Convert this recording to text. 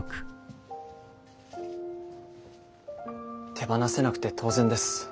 手放せなくて当然です。